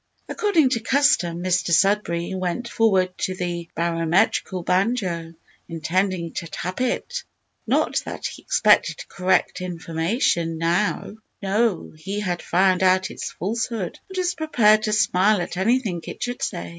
According to custom, Mr Sudberry went forward to the barometrical banjo, intending to tap it not that he expected correct information now. No; he had found out its falsehood, and was prepared to smile at anything it should say.